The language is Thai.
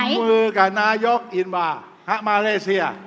ครับร่วมมือกับนายกอินวาครับมาเลเซีย